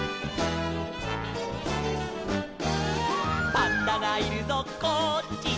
「パンダがいるぞこっちだ」